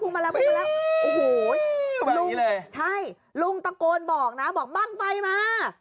อู้โหลุงตะโกนบอกนะบางไฟมา